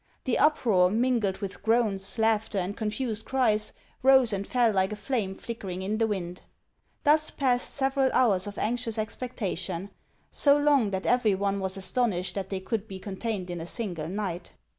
The uproar, mingled with groans, laughter, and confused cries, rose and fell like a flame flickering in the wind. Thus passed several hours of anxious expectation, so 454 HANS OF ICELAND. long that every one was astonished that they could be con tained in a single night.